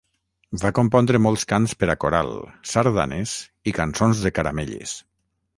Va compondre molts cants per a coral, sardanes i cançons de caramelles.